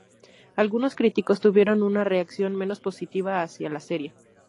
Algunos críticos tuvieron una reacción menos positiva hacia la serie.